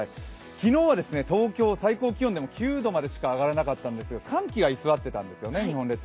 昨日は東京、最高気温が９度までしか上がらなかったんですが寒気が居座っていたんですよね、日本列島。